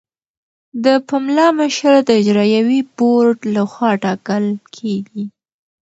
د پملا مشر د اجرایوي بورډ لخوا ټاکل کیږي.